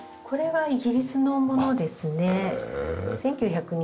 これはイギリスのものですね。